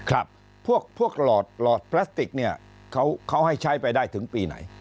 ครับพวกหลอดพลาสติกเนี่ยเขาให้ใช้ไปได้ถึงปีไหน